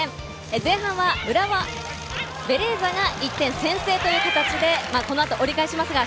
前半はベレーザが１点先制という形で折り返します。